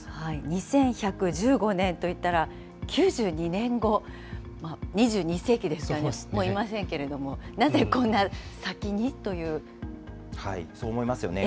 ２１１５年といったら９２年後、２２世紀ですよね、もういませんけれども、そう思いますよね。